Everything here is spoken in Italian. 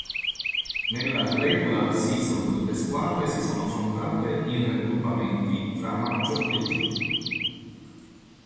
Nella regular season le squadre si sono affrontate in raggruppamenti fra maggio e giugno.